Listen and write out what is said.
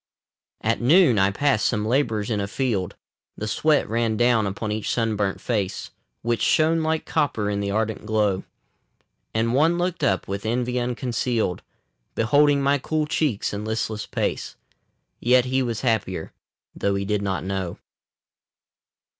At noon I passed some labourers in a field. The sweat ran down upon each sunburnt face, Which shone like copper in the ardent glow. And one looked up, with envy unconcealed, Beholding my cool cheeks and listless pace, Yet he was happier, though he did not know.